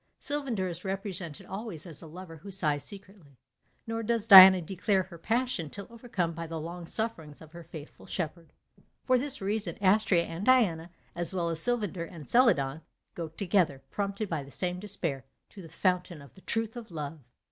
Sylvander is represented always as a lover who sighs secretly; nor does Diana declare her passion till overcome by the long sufferings of her faithful shepherd. For this reason Astrea and Diana, as well as Sylvander and Celadon, go together, prompted by the same despair, to the FOUNTAIN of the TRUTH OF LOVE.